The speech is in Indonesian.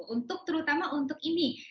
untuk terutama untuk ini